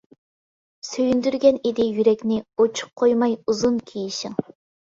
سۆيۈندۈرگەن ئىدى يۈرەكنى، ئوچۇق قويماي ئۇزۇن كىيىشىڭ.